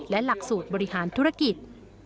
และหลักสูตรบริหารธุรกิจ